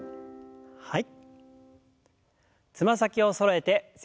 はい。